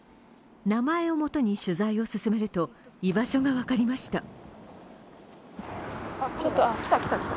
名前をもとに取材を進めると居場所が分かりました。